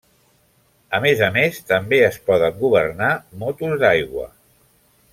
A més a més també es poden governar motos d'aigua.